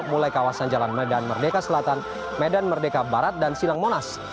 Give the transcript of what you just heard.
mulai kawasan jalan medan merdeka selatan medan merdeka barat dan silang monas